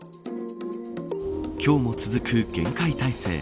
今日も続く厳戒態勢。